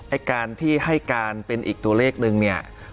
ไอ้การที่ให้การเป็นอีกตัวเลขนึงเนี่ย